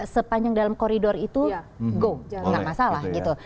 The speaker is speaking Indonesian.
sepanjang dalam koridor itu go nggak masalah gitu